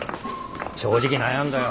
正直悩んだよ。